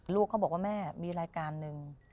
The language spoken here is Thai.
ลูกเขาบอกว่าแม่มีรายการหนึ่ง